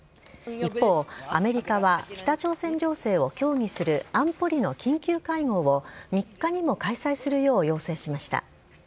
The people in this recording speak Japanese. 一方、アメリカは北朝鮮情勢を協議する安保理の緊急会合を３日にも開催するよう要請しました。